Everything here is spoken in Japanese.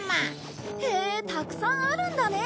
へえたくさんあるんだね。